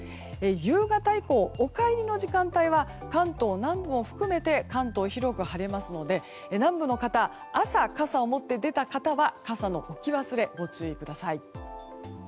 夕方以降、お帰りの時間帯は関東南部を含めて関東、広く晴れますので南部の方朝、傘を持って出た方は傘の置き忘れにご注意ください。